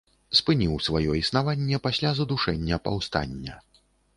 Спыніў сваё існаванне пасля задушэння паўстання.